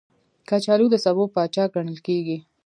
کچالو د سبو پاچا ګڼل کېږي